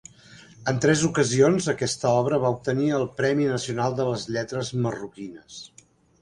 En tres ocasions aquesta obra va obtenir el Premi Nacional de les Lletres Marroquines.